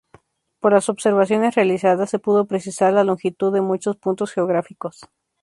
Por las observaciones realizadas se pudo precisar la longitud de muchos puntos geográficos.